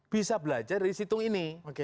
bisa belajar dari situng ini